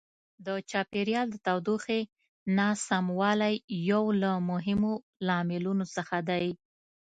د چاپیریال د تودوخې ناسموالی یو له مهمو لاملونو څخه دی.